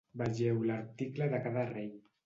Vegeu l'article de cada rei.